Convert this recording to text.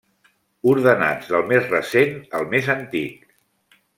Ordenats del més recent al més antic.